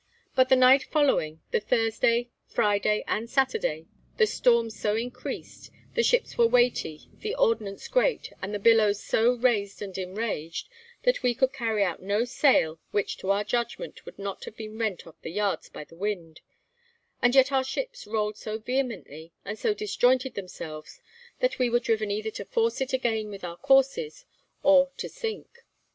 But the night following, the Thursday, Friday, and Saturday, the storm so increased, the ships were weighty, the ordnance great, and the billows so raised and enraged, that we could carry out no sail which to our judgment would not have been rent off the yards by the wind; and yet our ships rolled so vehemently, and so disjointed themselves, that we were driven either to force it again with our courses, or to sink.